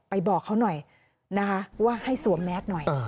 บอกเขาหน่อยนะคะว่าให้สวมแมสหน่อย